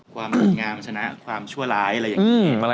งดงามชนะความชั่วร้ายอะไรอย่างนี้